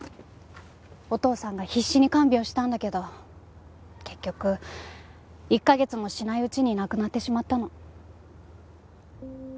お父さんが必死に看病したんだけど結局１カ月もしないうちに亡くなってしまったの。